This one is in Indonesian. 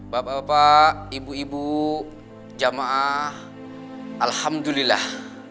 bapak bapak ibu ibu jamaah alhamdulillah